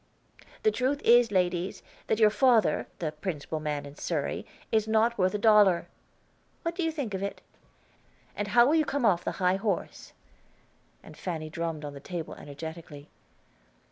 "The truth is, ladies, that your father, the principal man in Surrey, is not worth a dollar. What do you think of it? And how will you come off the high horse?" And Fanny drummed on the table energetically.